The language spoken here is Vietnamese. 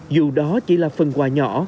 dù đó chỉ là phần quà nhỏ